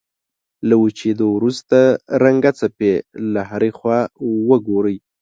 له وچېدو وروسته رنګه خپې له هرې خوا وګورئ.